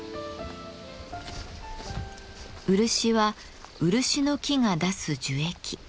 漆は漆の木が出す樹液。